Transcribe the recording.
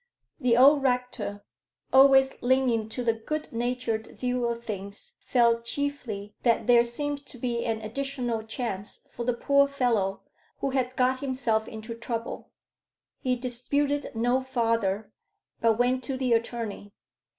The old rector, always leaning to the good natured view of things, felt chiefly that there seemed to be an additional chance for the poor fellow who had got himself into trouble. He disputed no farther, but went to the attorney.